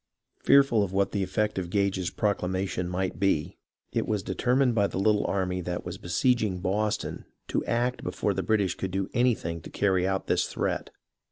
Fearful of what the effect of Gage's proclamation might be, it was determined by the little army that was besieging Boston to act before the British could do anything to carry out this threat.